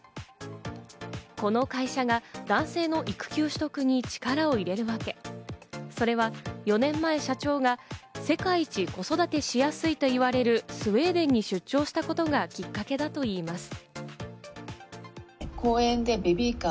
この会社が男性の育休取得に力を入れるわけ、それは４年前、社長が世界一子育てしやすいといわれるスウェーデンに出張したことがきっかけだといいます。